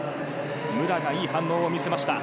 武良がいい反応を見せました。